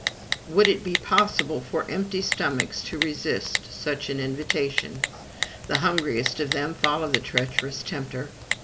Would it be possible for empty stomachs to resist such an invitation? The hungriest of them follow the treacherous tempter.